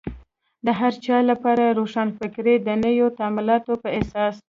د هر چا لپاره روښانفکري د نویو تمایلاتو په اساس.